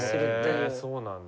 ヘえそうなんだ。